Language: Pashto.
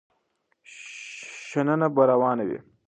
شننه به روانه وي.